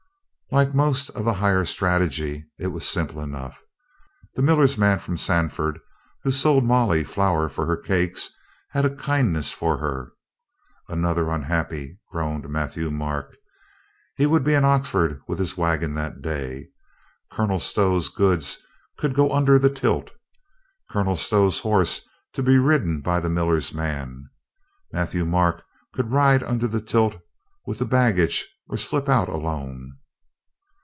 Like most of the higher strategy, it was simple enough. The miller's man from Sandford, who sold Molly flour for her cakes, had a kindness for her. ("Another unhappy!" groaned Matthieu Marc.) He MOLLY PROPOSES 387 would be in Oxford with his wagon that day. Col onel Stow's goods could go under the tilt, Colonel Stow's horse be ridden by the miller's man. Mat thieu Marc could ride under the tilt with the bag gage or slip out alone.